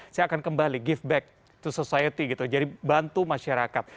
saya akan kembali give back to society gitu jadi bantu masyarakat